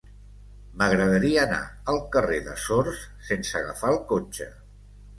M'agradaria anar al carrer de Sors sense agafar el cotxe.